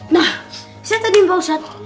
nah saya tadi mbak ustadz